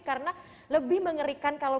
karena lebih mengerikan kalau